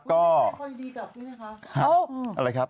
ครับอะไรครับ